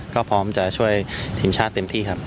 ก็พร้อมจะช่วยทีมชาติเต็มที่ครับ